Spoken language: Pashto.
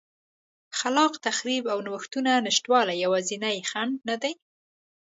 خلاق تخریب او نوښتونو نشتوالی یوازینی خنډ نه دی